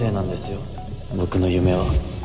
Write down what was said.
僕の夢は